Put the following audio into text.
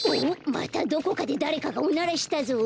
またどこかでだれかがおならしたぞ。